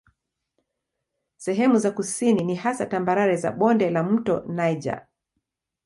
Sehemu za kusini ni hasa tambarare za bonde la mto Niger.